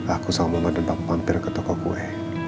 aku sama mama tentang mampir ke toko kue